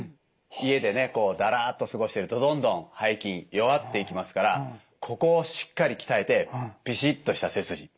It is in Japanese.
家でねこうだらっと過ごしてるとどんどん背筋弱っていきますからここをしっかり鍛えてビシッとした背筋。